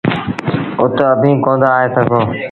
اُت اڀيٚنٚ ڪوندآ آئي سگھو۔